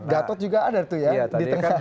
gatot juga ada tuh ya di tengah perbincangan ini